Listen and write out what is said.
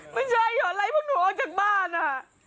ไม่ใช่เหรออะไรพวกหนูออกจากบ้านอ่ะ